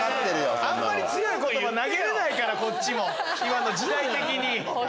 あんまり強い言葉投げれないからこっちも時代的に。